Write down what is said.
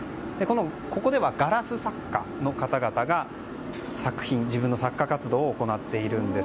ここではガラス作家の方々が自分の作家活動を行っているんです。